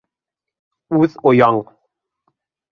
Үҙ ояң.